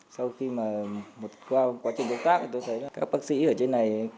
sau khi mà qua quá trình công tác thì tôi thấy là các bác sĩ ở trên này